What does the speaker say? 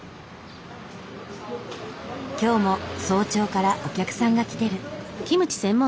今日も早朝からお客さんが来てる。